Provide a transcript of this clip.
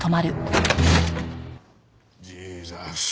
ジーザス！